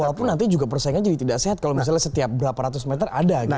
walaupun nanti juga persaingan jadi tidak sehat kalau misalnya setiap berapa ratus meter ada gitu